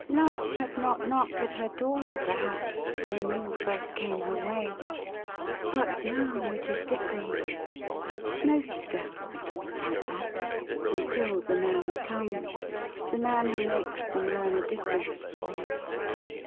' Love had not knocked at her door, perhaps, when you first came her way ; but now it is difierent. Most girls talk like that — ^until the man comes — the man who makes them learn a different stoiy.